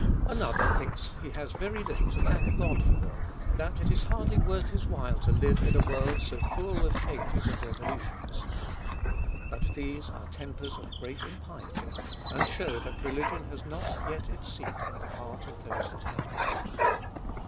Another thinks he has very little to thank God for, that it is hardly worth his while to live in a world so full of changes and revolutions. But these are tempers of great impiety, and shew tiiat religion has not yet its seat in the heart of those tliat have them.